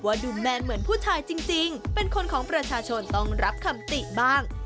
ดูแมนเหมือนผู้ชายจริงเป็นคนของประชาชนต้องรับคำติบ้าง